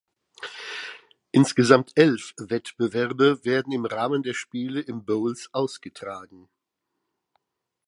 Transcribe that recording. Insgesamt elf Wettbewerbe werden im Rahmen der Spiele im Bowls ausgetragen.